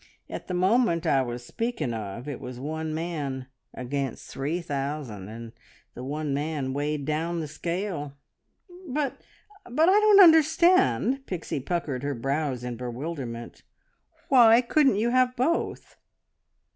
At the moment I was speaking of, it was one man against three thousand, and the one man weighed down the scale." "But ... but I don't understand." Pixie puckered her brows in bewilderment. "Why couldn't you have both?"